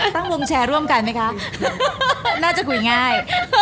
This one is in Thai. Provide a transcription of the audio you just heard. ตั้งวงแชร์ร่วมกันไหมคะน่าจะคุยง่าย